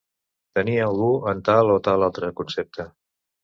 Tenir algú en tal o tal altre concepte.